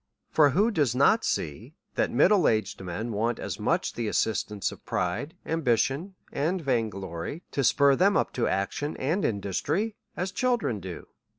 For who does not see that middle aged men want as much the assistance of pride, ambition, and vain glory, to spur them up to action and industry, as children do